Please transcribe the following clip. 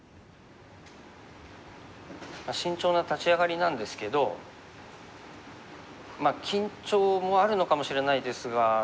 慎重な立ち上がりなんですけどまあ緊張もあるのかもしれないですが。